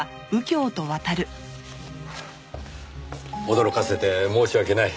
驚かせて申し訳ない。